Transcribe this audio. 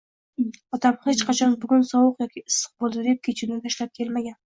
Otam hech qachon bugun sovuq yoki issiq boʻldi, deb kechuvni tashlab kelmagan